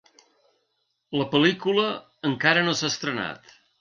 La pel·lícula encara no s'ha estrenat.